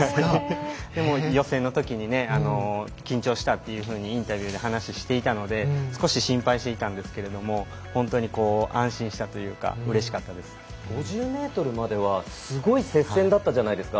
予選のときに緊張したとインタビューで話していたので少し心配していたんですけれども本当に安心したというか５０ｍまではすごい接戦だったじゃないですか。